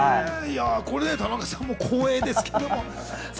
田中さんも光栄ですけど。